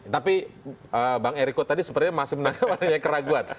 tapi bang eriko tadi sebenarnya masih menangkap wakilnya keraguan